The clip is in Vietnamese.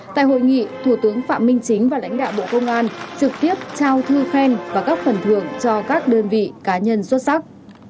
tại hội nghị thủ tướng phạm minh chính và lãnh đạo bộ công an trực tiếp trao thư khen và các phần thưởng cho các đơn vị cá nhân xuất sắc